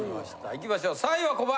いきましょう３位はコバ。